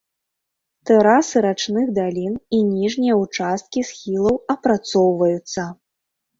Тэрасы рачных далін і ніжнія ўчасткі схілаў апрацоўваюцца.